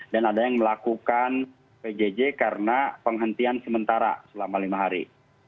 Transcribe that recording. dan ada yang melakukan pjj karena penghentian sementara selama lima hari